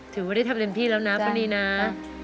ถือว่าเรียนที่แล้วนะบรินีน่า